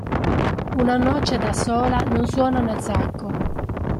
Una noce da sola non suona nel sacco.